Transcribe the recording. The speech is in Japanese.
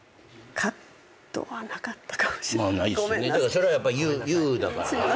それはやっぱＹＯＵだから。